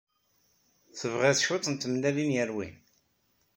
Tebɣiḍ cwiṭ n tmellalin yerwin?